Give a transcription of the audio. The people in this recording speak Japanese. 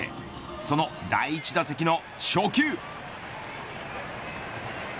その第１打席の初球。